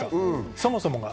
そもそもが。